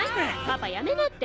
パパやめなって。